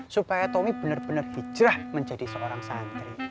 supaya tommy bener bener hijrah menjadi seorang santri